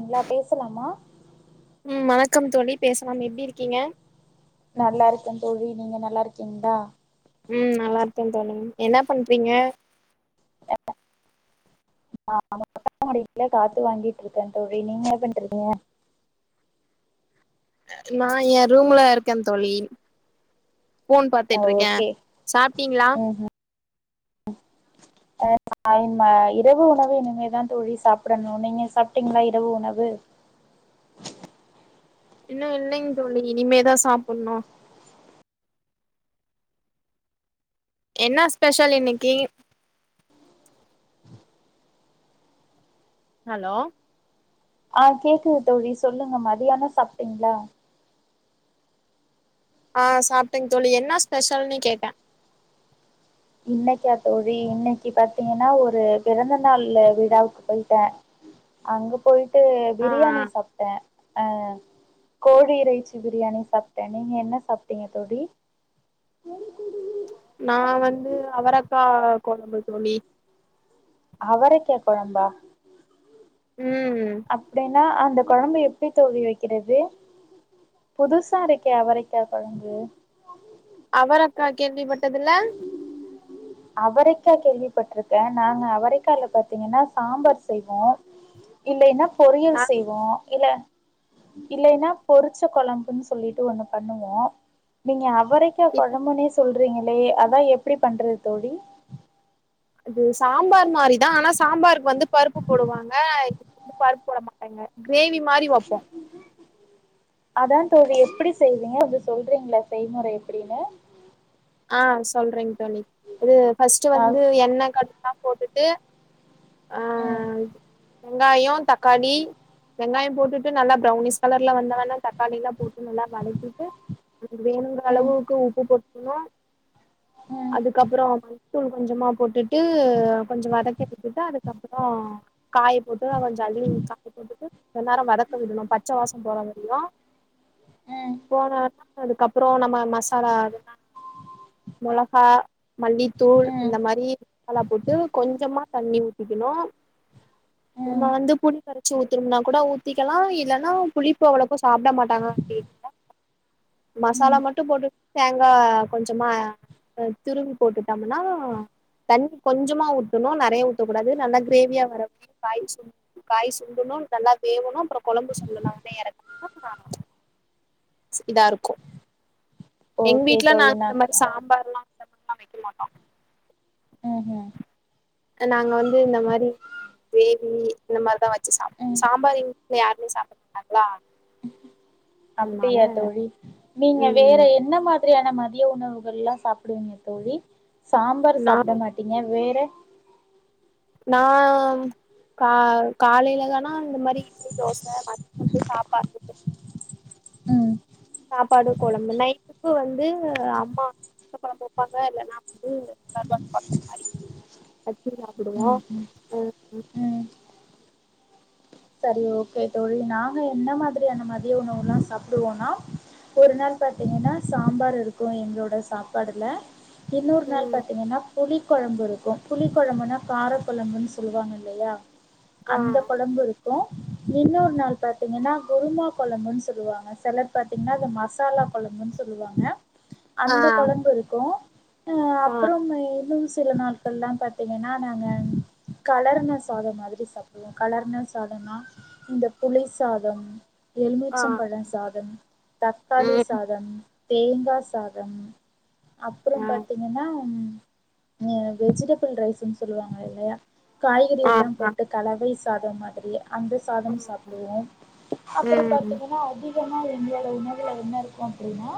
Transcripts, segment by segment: ங்களா பேசலாமா ம் வணக்கம் தோழி பேசலாம் எப்டி இருக்கீங்க நல்லா இருக்கேன் தோழி நீங்க நல்லா இருக்கீங்களா ம் நல்லா இருக்கேன் தோழி என்ன பண்றீங்க ஆ மொட்ட மாடில காத்து வாங்கிட்டு இருக்கேன் தோழி நீங்க என்ன பண்றீங்க நா என் ரூம்ல இருக்கேன் தோழி ஃபோன் பாத்துட்டு இருக்கே சாப்ட்டீங்களா ஹ ஆமா இந்த இரவு உணவு இனிமேதா தோழி சாப்பிடணு நீங்க சாப்ட்டீங்களா இரவு உணவு இன்னு இல்லைங்க தோழி இனிமேதா சாப்பிடணு என்ன ஸ்பெஷல் இன்னைக்கு ஹலோ ஆ கேக்குது தோழி சொல்லுங்க மதியான சாப்ட்டீங்களா ஆ சாப்ட்டேங் தோழி என்ன ஸ்பெஷல்னு கேட்டேன் இன்னைக்கா தோழி இன்னைக்கு பாத்தீங்கன்னா ஒரு பிறந்தநாள் விழாவுக்கு போயிட்டே அங்க போயிட்டு ஆ ஆ பிரியாணி சாப்ட்டே அ கோழி இறைச்சி பிரியாணி சாப்ட்டேன் நீங்க என்ன சாப்பிட்டீங்க தோழி எனக்கு டி நா வந்து அவரக்கா கோழம்பு தோழி அவரைக்க கொழம்பா ம் அப்புடின்னா அந்த குழம்பு எப்புடி தோழி வைக்கிறது புதுசா இருக்கே அவரைக்கா கொழம்பு அவரைக்கா கேள்வி பட்டது இல்ல அவரைக்கா கேள்வி பட்டிருக்கே நா அவரைக்கல பாத்தீங்கன்னா சாம்பார் செய்வோ இல்லயினா நா பொரியல் செய்வோ இல்ல இல்லைன்னா பொறிச்ச குழம்புன்னு சொல்லிட்டு ஒண்ணு பண்ணுவோ புதுசா இது குழம்புனே சொல்றீங்களே அதா எப்புடி பண்றது தோழி அது சாம்பார் மாறி தா ஆனா சாம்பாருக்கு வந்து பருப்பு போடுவாங்க இதுக்கு வந்து பருப்பு போட மாட்டாங்க கிரேவி மாறி வைப்போ அதா தோழி எப்புடி செய்வீங்க அதா சொல்றீங்களா செய்முறை எப்புடின்னு ஆ சொல்றேங் தோழி இது ஃபர்ஸ்ட் ஆ வந்து எண்ணெய் கடு எல்லா போட்டுட்டு ஆ ம் வெங்காயே தக்காளி வெங்காயம் போட்டுட்டு நல்லா ப்பௌனிஷ் கலர்ல வந்தவன்னா தக்காளி எல்லா போட்டு நல்லா வதக்கிட்டு இது வேணுங்கிற ம் அளவுக்கு உப்பு போட்டுகணு ம் அதுக்கப்புறே ச கொஞ்சமா போட்டுட்டு கொஞ்சம் வதக்கி வடுத்துட்டு அதுக்கப்புறம் காய போட்டு கொஞ்ச அள்ளி சாக்குல போட்டுட்டு கொஞ்ச நேர வதக்க விடணு பச்சை வாசம் போற முடியு ம் போனனா அதுக்கப்புறே நம்ம மசாலா அதுல்லா மிளகா மல்லித்தூள் ம் இந்த மாறி எல்லா போட்டு கொஞ்சமா தண்ணி ஊத்திகணு ஆ நம்ம வந்து புளி கரைச்சு ஊத்தறோம்னா கூட ஊத்திக்கலா இல்லைன்னா புளிப்போ அவ்வளோப்போ சாப்புட மாட்டாங்க அப்புடின் மசாலா ம் மட்டும் போட்டு தேங்காய் கொஞ் சமா துருவி போட்டு பண்ணுனா தண்ணி கொஞ்சமா ஊதுணு நெறைய ஊத்தக்கூடாது நல்லா கிரேவியா வர வரைக்கு காய் சுண்டனு காய் சுண்டனு நல்லா வேவணு அப்றம் கொழம்பு சுண்டணு உடனே ஏறக்குனா இத இருக்கு எங்க ஓகே வீட்ல தோழி நாங்க இந்த மாறி நா சாம்பார் எல்லா இந்த மாறி எல்லா வெக்க மாட்டோ ம் ம் நாங்க வந்து இந்த மாறி கிரேவி இந்த மாறிதா வச்சு சாப்பிடுவோ ம் சாம்பார் எங்க வீட்ல யாருக் மே சாப்புட மாட்டாங்களா அதனால அப்டியா தோழி நீங்க வேற ம் என் என்ன மாதிரியான மதிய உணவுகள் எல்லா சாப்பிடுவீங்க தோழி சாம்பார் நா சாப்பிட மட் டிங்க வேற நா கா காலையிலதானா இந்த மாறி இட்லி தோசை மதியானதுக்கு சாப்பாடு ம் சாப்பாடு கொழம்பு நைட்டுக்கு வந்து அம்மா முட்டை குழம்பு வைப்பாங்க இல்லனா [unintelligible] மாறி அப்புடி சாப்புடுறியா ம் ம் ஓகே ம் செரி ஓகே தோழி நாங்க என்ன மாரியான மதிய உணவுல்லா சாப்பிடுவோனா ஒரு நாள் பாத்தீங்கன்னா சாம்பார் இருக்கு எங்களோட சாப்பாடுல இன்னொரு நாள் ம் பாத்தீங்கன்னா புளி கொழம்பு இருக்கு புளி கொழம்புனா கார கொழம்புனு சொல்லுவாங்க இல்லையா ஆ அந்த கொழம்பு இருக் ஹலோ இன்னொரு நாள் பாத்தீங்கன்னா குருமா கொழம்புனு சொல்லுவாங்க சிலர் பாத்தீங்கன்னா அது மசாலா கொழம்புனு சொல்லுவாங்க ஆ அந்த கொழம்பு இருக்கு ஆ அப்றோ இன்னு சில நாள் சொல்லாம் பாத்தீங்கன்னா நாங்க கலருன சாதம் மாதிரி சாப்பிடுவோ கலருன சாதம்னா இந்த புளி சாதம் ஆ எலுமிச்சம் பழ சாதம் தக்காளி ம் சாதம் தேங்கா சாதம் அப்றம் ஆ பாத்தீங்கன்னா ம் ம் வெஜிடபிள் ரைஸ்னு சொல்லுவாங்க இல்லையா காய்கறி ஆ எல்லா ஆ போட்டு கலவை சாதம் மாரி அப்டியே அந்த சாதம் சாப்பிடுவோ அப்றம் ம் பாத்தீங்கனா அதிகமாக இந்தியாவுல உணவுல என்ன இருக்கு அப்டினா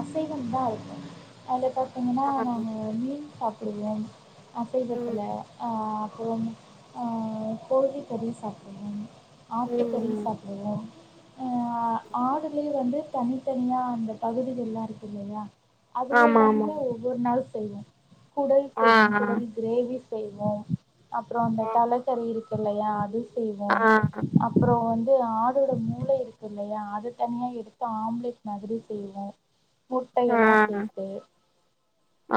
அசைவம் தா இருக்கும் அதுல பாத்தீங்கன்னா ஆ நாங்க மீன் சாப்பிடுவோம் ம் அசைவத்தில்ல அ அப்புறம் ஆ கோழி கறி சாப் ஆட்டுக்கறி ம் சாப்பிடுவோ ஆ ஆடுலயு வந்து தனித்தனியா அந்த பகுதிகல்லா இருக்கு இல்லயா அதுவே ஆமா இல்லாம இருந்தா ஆமா ஒரு ஒரு நாள் செய்வோ குடல் ஆ செய்வோ குடல் கிரேவி செய்வோ அப்றோ அந்த தல கறி இருக்கு இல்லயா அது ஆ ஆ செய்வோம் அப்றோ வந்து ஆடோட மூளை இருக்கு இல்லையா அத தனியா எடுத்து ஆம்லெட் மாரி செய்வோ ஆ முட்டையல்லா சேர்த்து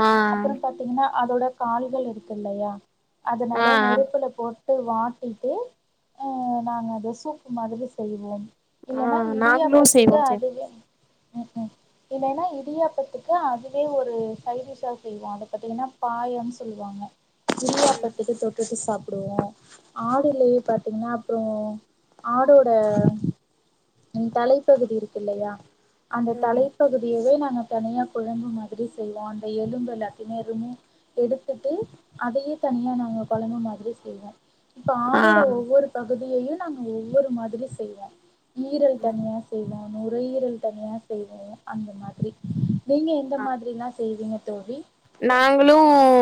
ஆ அப்புறோ பாத் தின்ன அதோட கால்கள் இருக்கு இல்லையா ஆ ஆ அதுனால நெருப்புல போட் ட்டு வாட்டிட்டு அ நாங்க அத சூப்பு மாதிரி செய்வோ ஆ இல்லனா நாங்களு இடியாப்பத்துக்கு செய்வோ செய்வோ அதுவே ம் ம் இல்லன்னா இடியாப்பத்துக்கு அதுவே ஒரு சைடிஷா செய்வோ அத பாத்தீங்கன்னா பாயம்னு சொல்லுவாங்க ம் இடியப்பாதுக்கு தொட்டுட்டு சாப்பிடுவோ ஆடுலேயே பாத்தீங்கன்னா அப்றோ ஆடோட தலைப்பகுதி இருக்கு இல்லையா அந்த ம் தலைப்பகுதியவே நாங்க தனியா கொழம்பு மாரி செய்வோ அந்த எலும்பெல்லதயுமே ரிமூவ் எடுத்துட்டு அதயே தனியா நாங்க கொழம்பு மாதிரி செய்வோ இப்ப ஆடோ ஒவ்வொரு பகுதியையு நாங்க ஒவ்வொரு மாதிரி செய்வோ ஈரல் ஆ தனியா செய்வோ நுரையீரல் தனியா செய்வோ அந்த மாதிரி நீங்க எந்த மாதிரில்லா செய்வீங்க தோழி நாங்களு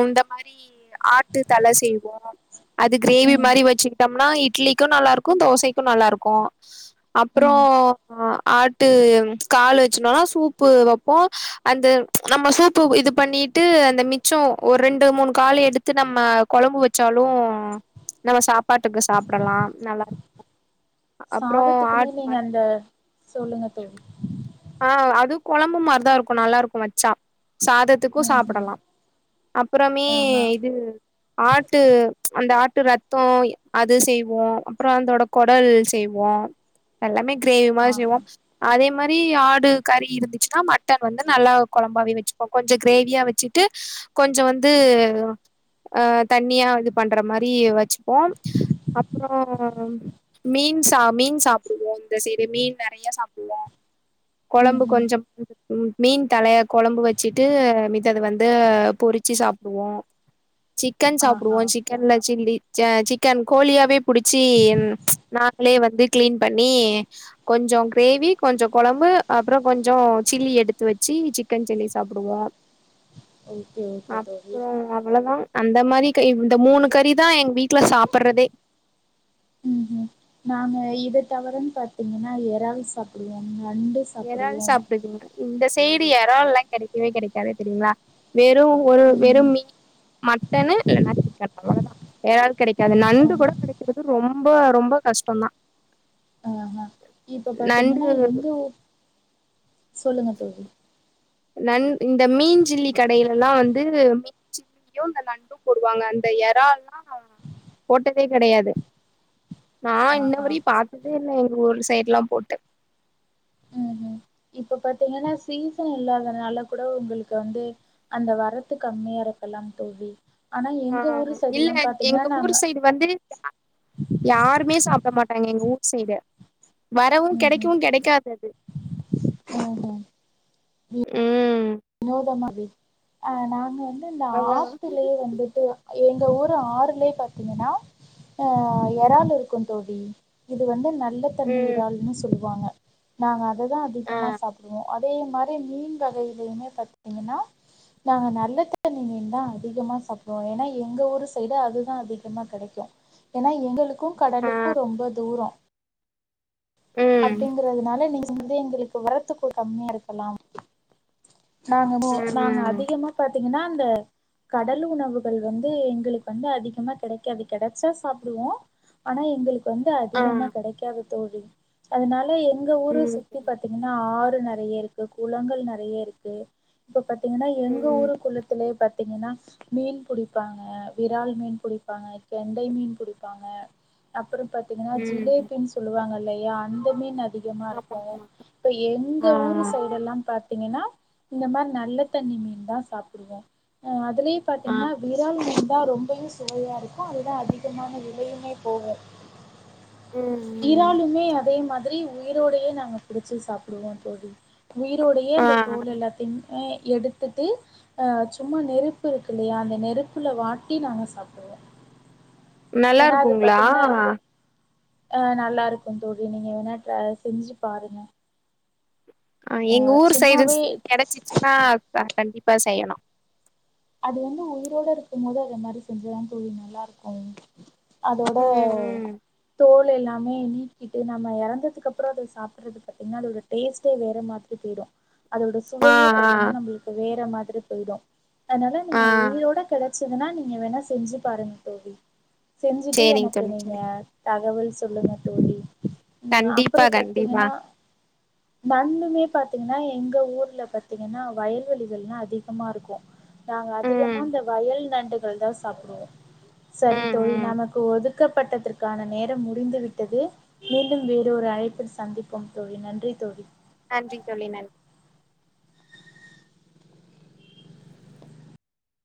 இந்த மாரி ஆட்டு தல செய்வோ அது கிரேவி ம் மாரி வச்சுக்கிட்டோம்னா இட்லிக்கு நல்லா இருக்கு தோசைக்கு நல்லா இருக்கு அப்புறோ ம் ஆ ஆட் டு கால் வச்சுட்டுனோனா சூப்பு வைப்போ அந்த நம்ம சூப்பு இது பண்ணி விட்டு அந்த மிச்சோ ஒரு ரெண்டு மூணு காலு எடுத்து நம்ம கொழம்பு வச்சாலு நம்ம சாப்பாட்டுக்கு சாப்பிடலா நல்லா சாதத்துக்குமே நீங்க அந்த சொல்லுங்க தோழி ஆ அது கொழம்பு மாரிதா இருக்கு நல்லா இருக்கு வச்சா சாதத் துக்கு ம் ம் சாப்பிடலா அப்புறமே ஆஹா இது ஆட்டு அந்த ஆட்டு ரத்த அது செய்வோ அப்பற அதோட குடல் செய்வோ எல்லாமே கிரேவி மாறி செய்வோ ஆஹா அதே மாறி ப்ரி ஆடு கறி இருந்துச்சுன்னா மட்டன் வந்து நல்லா குழம்பாவே வச்சுப்போ கொஞ்சோ கிரேவியா வச்சிட்டு கொஞ்சோ வந்து ஆ தண்ணியா இது பண்ற மாறி வச்சு போம் அப்பறோ ம் மீன் சா மீன் சாப்பிடுவோ இந்த சைடு மீன் நெறைய சாப்பிடுவோ ம் குழம்பு ம் கொஞ்சோம் மீன் தலையே குழம்பு வச்சுட்டு மித்தா வந்து பொறிச்சு சாப்பிடுவோ சிக்கன் சாப்பிடுவோ ஆஹா சிக்கன்ல சில்லி சிக்கன் கோழியாவே பிடிச்சு நாங்களே வந்து கிளீன் பண்ணி கொஞ்சோ கிரேவி கொஞ்சோ குழ ம்பு அப்பறோ கொஞ்சோ சில்லி எடுத்து வச்சு சிக்கன் சில்லி சாப்பிடுவோ ஓகே ஓகே தோழி அப்பறோ அவ்ளோதா அந்த மாறி கை இந்த மூணு கறிதா எங்க வீட்டுல சாப்பிர்ரதே ம் ம் நாங்க இத தவிரன்னு பாத்தீங்கன்னா இறால் சாப்பிடுவோ நண்டு இறால் சாப்பிடுவோம் சாப்பிடுவீங்க இந்த சைடு இறால்லா கிடைக்கவே கிடைக்காது தெரியுங்களா வெறும் ஒரு ம் வெறும் மீ மட்டன்னு இல்லைன்னா சிக்கன் அவ்வளவுதான் இறால் கெடைக்காது நண்டு ஆஹா கூட கெடைக்கிறது ரொம்ப ரொம்ப கஷ்டோந்தான் ஆ இப்போ பாத்தீங்கன்னா எங்க ஊர் சொல்லுங்க தோழி நண் இந்த மீன்‌ சில்லி கடையில்லலாம் வந்து மீன் ம் இந்த நண்டும் போடுவாங்க அந்த எறால்லாம் போட்டதே கெடையாது நான் ஆஹா இன்னவரையு பாத்ததே இல்லை எங்க ஊர் சைடுலாம் போட்டு ம் ம் இப்ப பாத்தீங்கன்னா சீசன் இல்லாதனால கூட உங்களுக்கு வந்து அந்த வரத்து கம்மியா இருக்கல்லாம் தோவி ஆனா ஆ எங்க ஊரு சைடு இல்ல எல்லாம் பாத்தீங்கன்னா எங்க நாங்க ஊர் சைடு வந்து யாருமே சாப்பிட மாட்டாங்க எங்க ஊட் சைடு வரவும் ம் ம் கெடைக்கவும் கெடைக்காது அது ம் ம் வினோதம அது ஆ நாங்க வந்து இந்த அதா ஆத்துலேயே வந்துட்டு எங்க ஊரு ஆறுலயே பாத்தீங்கன்னா அ எறால் இருக்கும் தோழி இது வந்து நல்ல தண்ணி ம் இறால்ன்னு சொல்லுவாங்க நாங்க அததான் ஆ அதிகமா சாப்பிடுவோம் அதே மாரி மீன் வகையிலயுமே பாத்தீங்கன்னா நாங்க நல்ல தண்ணீ மீன் தான் அதிகமா சாப்டுவோம் ஏன்னா எங்க ஊர் சைடு அதுதான் அதிகமா கெடைக்கும் ஏன்னா எங்களுக்கும் ஆ கடலுக்கும் ரொம்ப தூரம் ம் ம் அப்படிங்கறதுனால நீங்க வந்து எங்களுக்கு இப்ப வரத்துக்குள் கம்மியா இருக்கலாம் நாங்கனு நாங்க அதிகமா பாத்தீங்கன்னா அந்த கடல் உணவுகள் வந்து எங்களுக்கு வந்து அதிகமா கெடைக்காது கெடைச்சா சாப்பிடுவோம் அனா எங்களுக்கு வந்து ஆ அதிகமா கெடைக்காது தோழி அதனால எங்க ஊரு ம் சுத்தி ப பாத்தீங்கன்னா ஆறு நெறைய இருக்கு குளங்கள் நெறைய இருக்கு இப்ப பாத்தீங்கன்னா எங்க ம் ஊர் குளத்திலே பா த்தீங்கன்னா மீன் புடிப்பாங்க விறால் மீன் புடிப்பாங்க கெண்டை மீன் புடிப்பாங்க அப்புறம் பாத்தீங்கன்னா ம் ஜிலேபின்னு சொல்லுவாங்கல்லையா அந்த மீன் அதி அதிகமா ஆமா இருக்கும் ஆமா இப்ப ஆ எங்க ஊரு சைடு எல்லாம் பாத்தீங்கன்னா இந்த மாரி நல்ல தண்ணி மீன் தா சாப்டுவோ அ அதுலே ஆ பாத்தீங்ன்னா விரால் மீன் தா ரொம்பவே சுவையா இருக்கும் அதுதா அதிகமான விலையுமே போவு ம் ம் இறாலுமே அதே மாதிரி உயிரோடையே நாங்க புடிச்சு சாப்புடுவோ தோழி உயிரோடையே அந்த ஆ தூலில்ல திம் அ எடுத்துட்டு அ சும்மா நெருப்பு இருக்குல்லையா அந்த நெருப்புல வாட்டி நாங்க சாப்டுவோ நல்லா ஏனா அது இருக்குங்களா பாத்தீங்ன்னா ஆ நல்லாருக்கும் தோழி நீங்க வேணா ட்ர செஞ்சு பாருங்க ஆ எங்க ஊர் சைடுஸ் சும்மாவே கெடைச்சிச்சுன்னா க கண்டிப்பா செய்யணு அது வந்து உயிரோட இருக்கும் போது அத மாரி செஞ்சதா தோழி நல்லாருக்கு அதோட ம் ம் தோல் எல்லாமே நீக்கிட்டு நம்ம எறந்ததுக்கப்பறோ அத சாப்புட்றதுக் பாத்தீங்ன்னா அதோட டேஸ்ட்டே வேற மாதிரி போய்டு அதோட ஆ சுவையே பாத்திங்கன்னா நம்மளுக்கு வேற மாதிரி போயிடு அதனால ஆ ஆ நீங்க உயிரோட கெடச்சுதுன்னா நீங்க வேணா செஞ்சு பாருங்க தோழி செஞ்சுட்டு சேரிங்க எனக்கு தோழி நீங்க சேரிங் தகவல் சொல்லுங்க தோழி ம் கண்டிப்பா அப்பற கண்டிப்பா பாத்தீங்கன்னா நண்டுமே பாத்தீங்கன்னா எங்க ஊர்ல பாத்திங்கன்னா வயல்வெளிகல்லா அதிகமா இருக்கு நாங்க அதிகமா ம் இந்த வயல் நண்டுகள் தா சாப்டுவோ சரி ம் தோழி ம் நமக்கு ஒதுக்கப்பட்டதர்க்கான நேரம் முடிந்து விட்டது மீண்டும் வேற ஒரு அழைப்பில் சந்திப்போம் தோழி நன்றி தோழி நன்றிங் தோழி நன்